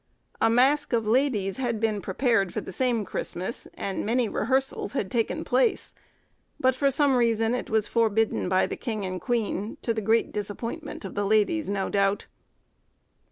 A mask of ladies had been prepared for the same Christmas, and many rehearsals had taken place, but for some reason it was forbidden by the king and queen; to the great disappointment of the ladies, no doubt.